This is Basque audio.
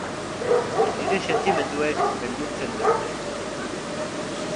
Nire sentimenduek beldurtzen naute.